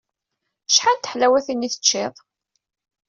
Acḥal n teḥlawatin i teččiḍ?